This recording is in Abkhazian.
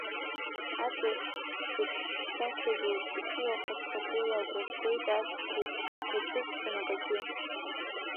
Аҵых заҵәсацәажәоит есуаха ҵхагәыла, агәра згоит аҵых заҵә, иацәызӡом акгьы.